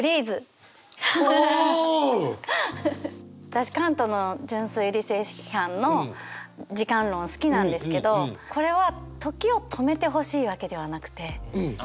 私カントの「純粋理性批判」の時間論好きなんですけどこれは時を止めてほしいわけではなくて。